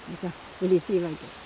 うれしいわけ。